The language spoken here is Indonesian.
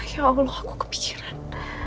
ya allah aku kepikiran